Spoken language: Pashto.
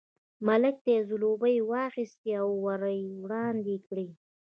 ملک ته یې ځلوبۍ واخیستې او ور یې وړاندې کړې.